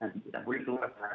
nanti kita boleh keluar pak